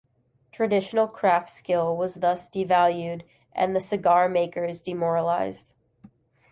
Traditional craft skill was thus devalued and the cigar makers demoralized.